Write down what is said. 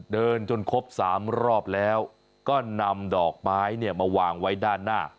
จนครบ๓รอบแล้วก็นำดอกไม้มาวางไว้ด้านหน้า